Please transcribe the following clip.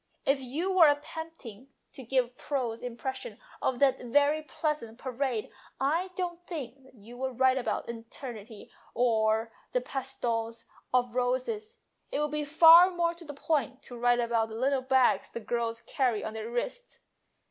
If you were attempting to give a prose impression of that very pleasant parade, I don't think that you would write about 18 274 MONOLOGUES eternity or the petals of roses. It would be far more to the point to write about the little bags the girls carry on their wrists.